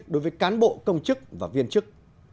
đối với cán bộ công chức và viên chức